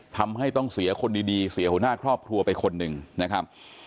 ทำให้ต้องเสียคนดีเสียหัวหน้าครอบครัวไปคนหนึ่งนะครับ